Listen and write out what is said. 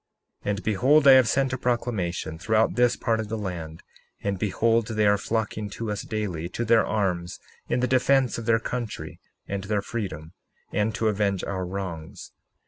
61:6 And behold, I have sent a proclamation throughout this part of the land; and behold, they are flocking to us daily, to their arms, in the defence of their country and their freedom, and to avenge our wrongs.